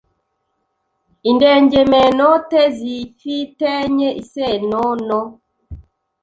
Indengemenote zifi tenye iseno no